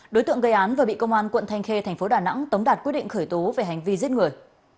đối tượng gây án và bị công an quận thanh khê tp đà nẵng tống đạt quyết định khởi tố về hành vi giết người